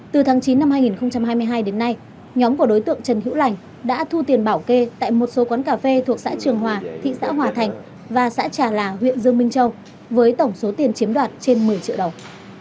từ tháng chín năm hai nghìn hai mươi hai đến nay nhóm của đối tượng trần hữu lành đã thu tiền bảo kê tại một số quán cà phê thuộc xã trường hòa thị xã hòa thành và xã trà là huyện dương minh châu với tổng số tiền chiếm đoạt trên một mươi triệu đồng